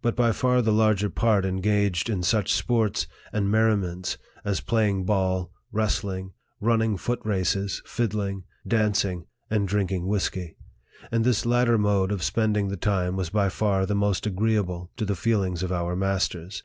But by far the larger part engaged in such sports and merri ments as playing ball, wrestling, running foot races, fiddling, dancing, and drinking whisky; and this lat ter mode of spending the time was by far the most agreeable to the feelings of our masters.